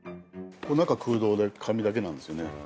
この中空洞で紙だけなんですよね